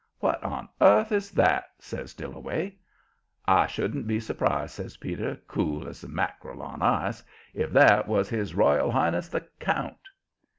"What on earth is that?" says Dillaway. "I shouldn't be surprised," says Peter, cool as a mack'rel on ice, "if that was his royal highness, the count."